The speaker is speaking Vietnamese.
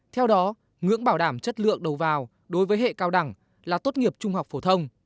theo đó ngưỡng bảo đảm chất lượng đầu vào đối với hệ cao đẳng là tốt nghiệp trung học phổ thông